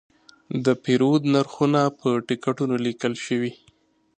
د پیرود نرخونه په ټکټونو لیکل شوي.